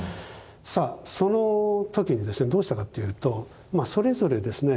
さあその時にどうしたかというとそれぞれですね